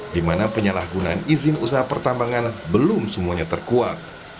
di mana penyalahgunaan izin usaha pertambangan belum semuanya terkuat